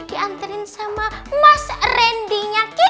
diantirin sama mas rendinya kiki